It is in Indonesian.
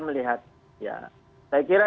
melihat ya saya kira